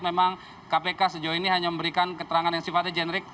memang kpk sejauh ini hanya memberikan keterangan yang sifatnya generik